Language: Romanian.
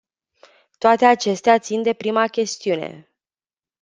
Toate acestea țin de prima chestiune.